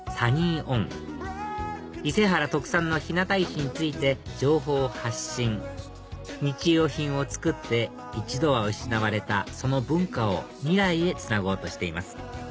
−ｏｎ伊勢原特産の日向石について情報を発信日用品を作って一度は失われたその文化を未来へつなごうとしています